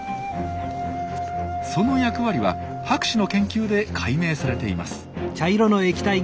その役割は博士の研究で解明されています。